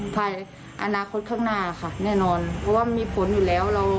ภายอนาคตข้างหน้าค่ะแน่นอนเพราะว่ามีฝนอยู่แล้ว